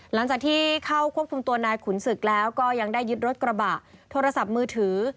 หลังจากที่เข้าควบคุมตัวนายขุนศึกแล้วก็ยังได้ยึดรถกระบะโทรศัพท์มือถือ